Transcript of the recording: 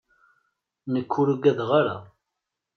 Nekk ur ugadeɣ ara.